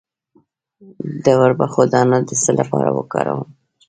د وربشو دانه د څه لپاره وکاروم؟